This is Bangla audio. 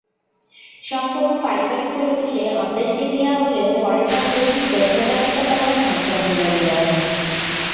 সম্পূর্ণ পারিবারিক পরিবেশে অন্ত্যেষ্টিক্রিয়া হলেও পরে তাঁর প্রতি শ্রদ্ধা জানাতে পারবেন ভক্ত-অনুরাগীরা।